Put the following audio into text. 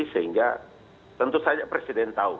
sehingga tentu saja presiden tahu